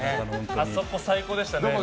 あそこ、最高でしたね。